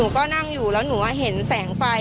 ก็นั่งอยู่แล้วหนูเห็นแสงไฟ